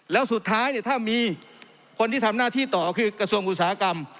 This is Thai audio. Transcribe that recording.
แล้วสุดท้ายเนี่ยถ้ามีคนที่ทำหน้าที่ต่อคือกระทรวงอุตสาหกรรม